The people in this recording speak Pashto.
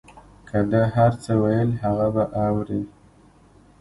که ده هر څه ویل هغه به اورې.